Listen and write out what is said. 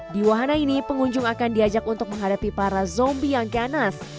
di wahana ini pengunjung akan diajak untuk menghadapi para zombie yang ganas